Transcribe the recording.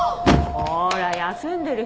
ほら休んでる